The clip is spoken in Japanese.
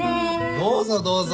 どうぞどうぞ。